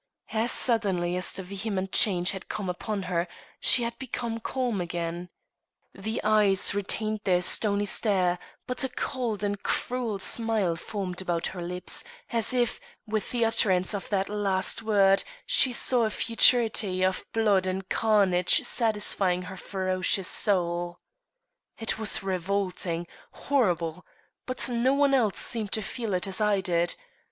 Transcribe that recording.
As suddenly as the vehement change had come upon her, she had become calm again. The eyes retained their stony stare, but a cold and cruel smile formed about her lips, as if, with the utterance of that last word, she saw a futurity of blood and carnage satisfying her ferocious soul. It was revolting, horrible; but no one else seemed to feel it as I did.